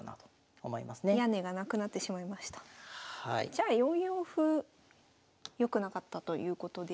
じゃあ４四歩良くなかったということで。